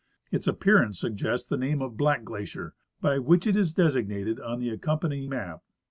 Its appearance suggests the name of Black glacier, by which it is designated on the accompanying map.